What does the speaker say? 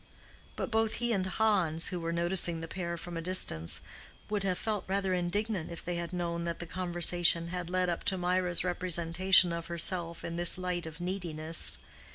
But both he and Hans, who were noticing the pair from a distance, would have felt rather indignant if they had known that the conversation had led up to Mirah's representation of herself in this light of neediness.